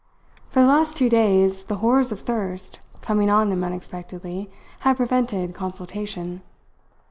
For the last two days, the horrors of thirst, coming on them unexpectedly, had prevented consultation.